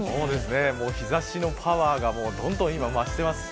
日差しのパワーがどんどん増しています。